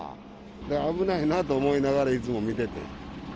いやぁ、危ないなと思いながら、いつも見てて。